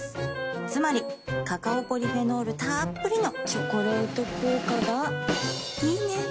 つまりカカオポリフェノールたっぷりの「チョコレート効果」がいいね。